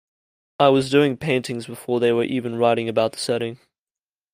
I was doing paintings before they were even writing about the setting.